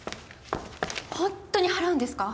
ホントに払うんですか？